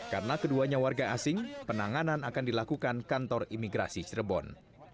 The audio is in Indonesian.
karena keduanya warga asing penanganan akan dilakukan kantor imigrasi cirebon